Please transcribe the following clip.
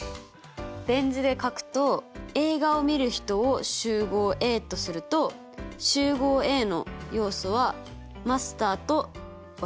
ベン図で書くと映画をみる人を集合Ａとすると集合Ａの要素はマスターと私。